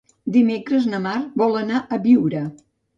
Dimecres na Mar vol anar a Biure.